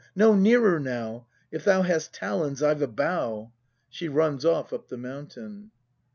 No nearer, now! If thou hast talons, I've a bough! [She runs off up the mountain.